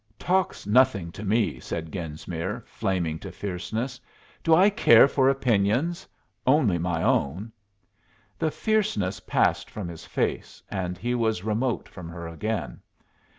"Talk's nothing to me," said Genesmere, flaming to fierceness. "Do I care for opinions? Only my own." The fierceness passed from his face, and he was remote from her again.